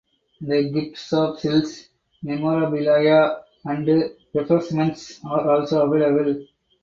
The gift shop sells memorabilia and refreshments are also available.